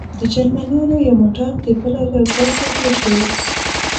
د جرمنیانو یو موټر د پله له پاسه تېر شو.